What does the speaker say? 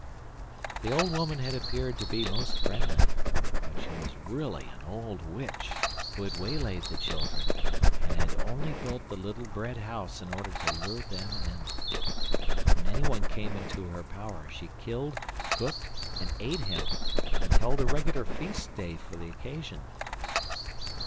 (1) He was a vulgar boy! The old woman had appeared to be most friendly, but she was really an old witch who had waylaid the children, and had only built the little bread house in order to lure them in. When anyone came into her power she killed, cooked, and ate him, and held a regular feast day for the occasion.